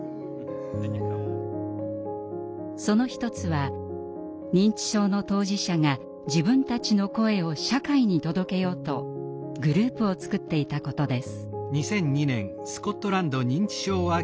その一つは認知症の当事者が自分たちの声を社会に届けようとグループを作っていたことです。